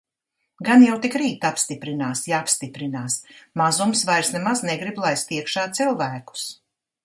Gan jau tik rīt apstiprinās, ja apstiprinās, mazums vairs nemaz negrib laist iekšā cilvēkus.